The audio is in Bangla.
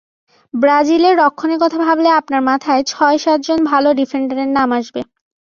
ব্রাজিলের রক্ষণের কথা ভাবলে আপনার মাথায় ছয়-সাতজন ভালো ডিফেন্ডারের নাম আসবে।